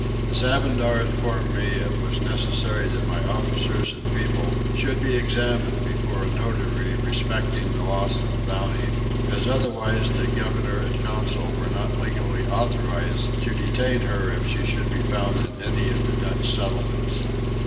The Sabandar informed me it was necessary that my officers and people should be examined before a notary respecting the loss of the Bounty, as otherwise the governor and council were not legally authorised to detain her if she should be found in any of the Dutch settlements.